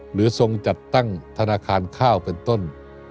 ทรงจัดตั้งธนาคารข้าวเป็นต้น